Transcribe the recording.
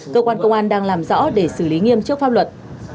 cơ quan công an đang làm rõ để xử lý nghiêm trước pháp luật